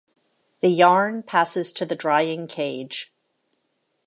The yarn passes to the drying cage.